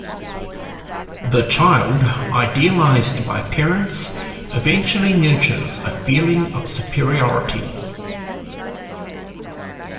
The child, idealized by parents, eventually nurtures a feeling of superiority.